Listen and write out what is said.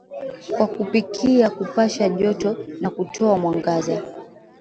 kwa kupikia kupasha joto na kutoa mwangaza